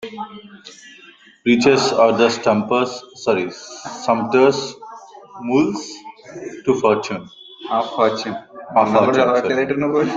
Riches are the sumpter mules of fortune.